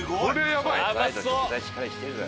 やばそう。